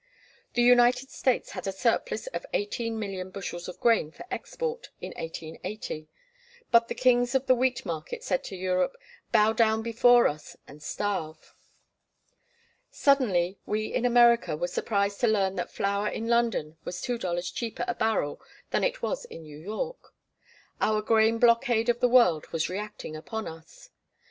The United States had a surplus of 18,000,000 bushels of grain for export, in 1880. But the kings of the wheat market said to Europe, "Bow down before us, and starve." Suddenly we in America were surprised to learn that flour in London was two dollars cheaper a barrel than it was in New York. Our grain blockade of the world was reacting upon us.